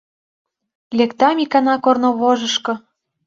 Лектам икана корнывожышко